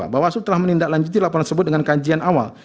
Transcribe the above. tujuh dua bahwa soeri telah menindaklanjuti laporan tersebut dengan kajian awal